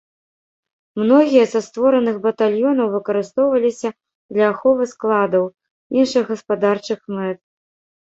Многія са створаных батальёнаў выкарыстоўваліся для аховы складаў, іншых гаспадарчых мэт.